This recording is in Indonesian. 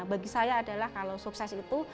bagi saya adalah kalau sukses itu